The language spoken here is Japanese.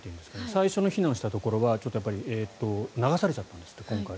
最初の避難したところは流されちゃったんですって今回。